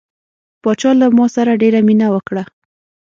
پاچا له ما سره ډیره مینه وکړه.